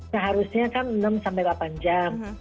seharusnya kan enam sampai delapan jam